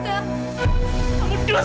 kamu dusta tolong